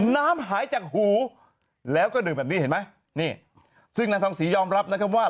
น้ำหายจากหูแล้วก็ดื่มแบบนี้เห็นไหมนี่ซึ่งนางทองศรียอมรับนะครับว่า